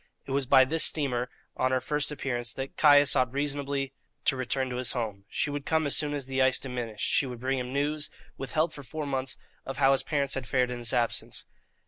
It was by this steamer, on her first appearance, that Caius ought reasonably to return to his home. She would come as soon as the ice diminished; she would bring him news, withheld for four months, of how his parents had fared in his absence.